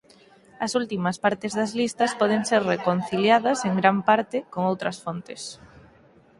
As últimas partes das listas poden ser reconciliadas en gran parte con outras fontes.